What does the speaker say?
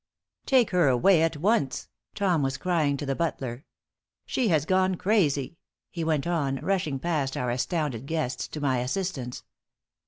"Take her away at once," Tom was crying to the butler. "She has gone crazy," he went on, rushing past our astounded guests to my assistance.